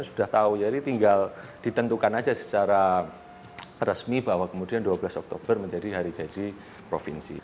sudah tahu jadi tinggal ditentukan aja secara resmi bahwa kemudian dua belas oktober menjadi hari jadi provinsi